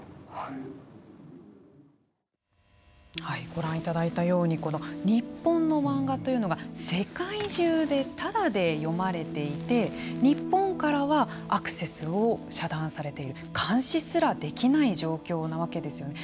ご覧いただいたように日本の漫画というのが世界中でタダで読まれていて日本からはアクセスを遮断されている監視すらできない状況なわけですよね。